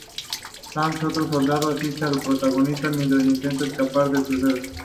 Trask, otro soldado, asiste al protagonista mientas intentan escapar del crucero.